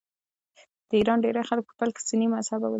د ایران ډېری خلک په پیل کې سني مذهبه ول.